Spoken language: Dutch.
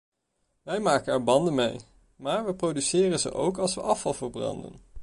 Wij maken er banden mee, maar we produceren ze ook als we afval verbranden.